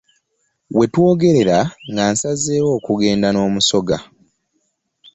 We twogerera nga nsazeewo okugenda n'omusoga.